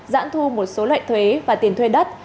giãn thu một số loại thuế và tiền thuê đất